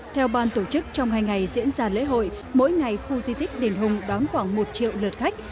theo ban tổ chức trong hai ngày diễn ra lễ hội mỗi ngày khu di tích đền hùng đón khoảng một triệu lượt khách